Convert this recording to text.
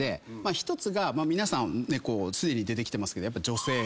１つが皆さんすでに出てきてますけど女性。